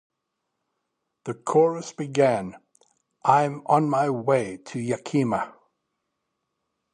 The chorus began I'm on my way to Yakima.